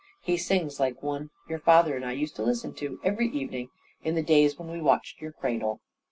He sings like one your father and I used to listen to every evening, in the days when we watched your cradle."